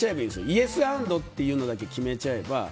イエスアンドというのだけ決めちゃえば。